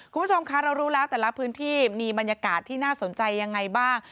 คุณผู้ชมคะเรารู้แล้วแต่ละพื้นที่มีบรรยากาศที่น่าสนใจยังไงบ้าง